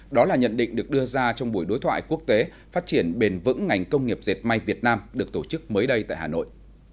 đó là nhận định được đưa ra trong buổi đối thoại quốc tế phát triển bền vững ngành công nghiệp dệt may việt nam được tổ chức mới đây tại hà nội